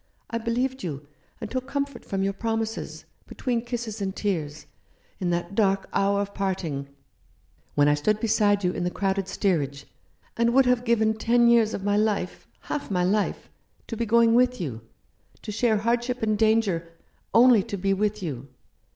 I believed you, and took comfort from your promises, between kisses and tears, in that dark hour of parting, when I stood beside you in the crowded steerage, and would have given ten years of my life — half my life — to be going with you, to share hardship and danger — only to be with you.